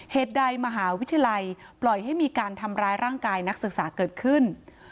เหตุใดมหาวิทยาลัยปล่อยให้มีการทำร้ายร่างกายนักศึกษาเกิดขึ้น